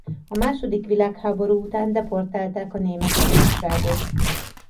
A második világháború után deportálták a német lakosságot.